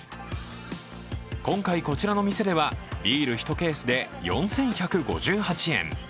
今回こちらの店では、ビール１ケースで４１５８円。